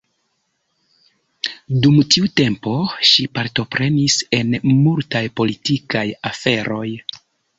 Dum tiu tempo ŝi partoprenis en multaj politikaj aferoj.